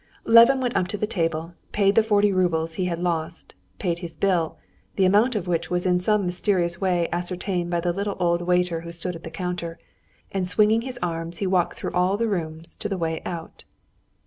Levin went up to the table, paid the forty roubles he had lost; paid his bill, the amount of which was in some mysterious way ascertained by the little old waiter who stood at the counter, and swinging his arms he walked through all the rooms to the way out.